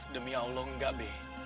demi allah enggak b